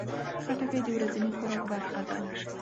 خټکی د ورځني خوراک برخه ده.